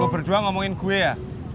gue berdua ngomongin gue ya